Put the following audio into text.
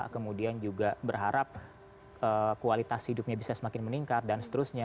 kemudian juga berharap kualitas hidupnya bisa semakin meningkat dan seterusnya